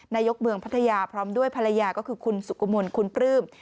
นายกเมืองพัทยาพร้อมด้วยภรรยาก็คือคุณสุกมลคุณปลื้ม